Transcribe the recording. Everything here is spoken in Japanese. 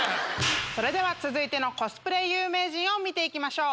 それでは続いてのコスプレ有名人見て行きましょう。